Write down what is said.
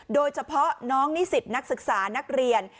โดยเฉพาะน้องนิสิตนักศึกษานักเรียน